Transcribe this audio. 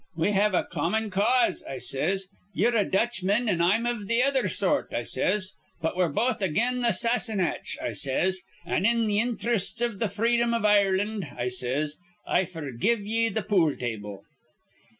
'We have a common cause,' I says. 'Ye're a Dutchman, an' I'm iv' th' other sort,' I says. 'But we're both again th' Sassenach,' I says. 'An' in th' inthrests iv th' freedom iv Ireland,' I says, 'I f'rgive ye th' pool table.'